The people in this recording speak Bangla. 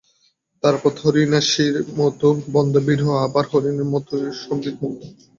তারাপদ হরিণশিশুর মতো বন্ধনভীরু, আবার হরিণেরই মতো সংগীতমুগ্ধ।